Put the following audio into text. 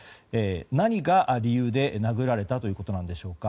何が理由で殴られたということでしょうか。